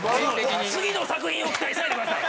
次の作品を期待しないでください！